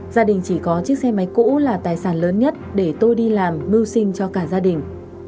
gia đình chỉ có chiếc xe máy cũ là tài sản lớn nhất để tôi đi làm mưu sinh cho cả gia đình